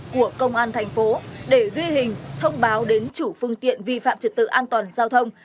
của công an tp vịnh yên để ghi hình thông báo đến chủ phương tiện vi phạm trực tự an toàn giao thông